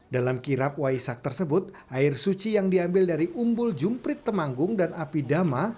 dalam kirap waisak tersebut air suci yang diambil dari umbul jumprit temanggung dan api dama